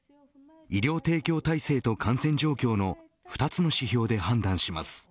医療提供体制と感染状況の２つの指標で判断します。